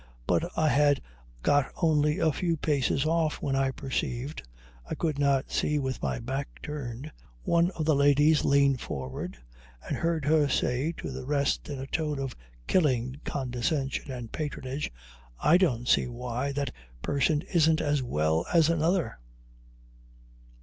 But I had got only a few paces off when I perceived (I could not see with my back turned) one of the ladies lean forward, and heard her say to the rest in a tone of killing condescension and patronage: "I don't see why that person isn't as well as another."